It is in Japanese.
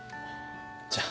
じゃあ。